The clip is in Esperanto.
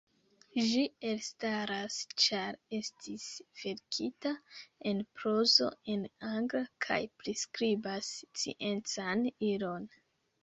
Ĝi elstaras ĉar estis verkita en prozo, en angla, kaj priskribas sciencan ilon.